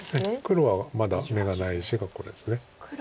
黒はまだ眼がないしここです。